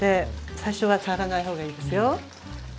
最初は触らない方がいいですよ。